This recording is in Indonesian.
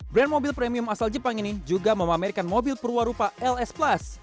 brand mobil premium asal jepang ini juga memamerkan mobil perwarupa ls plus